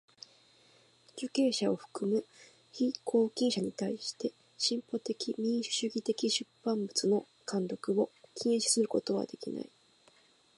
受刑者を含む被拘禁者にたいして進歩的民主主義的出版物の看読を禁止することはできない。